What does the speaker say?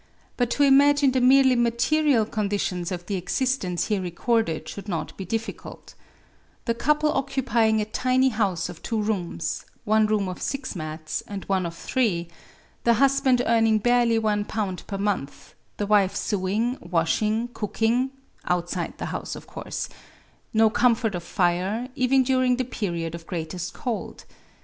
But to imagine the merely material conditions of the existence here recorded should not be difficult: — the couple occupying a tiny house of two rooms — one room of six mats and one of three; — the husband earning barely ^i per month; — the wife sewing, washing, cooking (out side the house, of course); — no comfort of fire, even during the period of greatest cold.